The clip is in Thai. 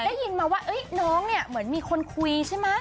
ได้ยินมาว่าน้องเนี่ยเหมือนมีคนคุยใช่ไหม